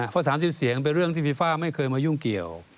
เพราะ๓๐เสียงเป็นเรื่องที่ฟีฟ้าไม่เคยมายุ่งเกี่ยว